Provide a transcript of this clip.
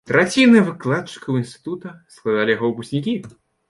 Траціна выкладчыкаў інстытута складалі яго выпускнікі.